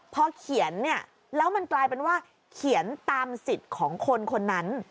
พอเขียนเนี่ยแล้วมันกลายเป็นว่าเขียนตามสิทธิ์ของคนคนนั้น